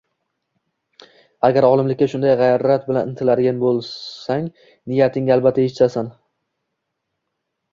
Agar olimlikka shunday gʻayrat bilan intiladigan boʻlsang, niyatingga albatta yetishasan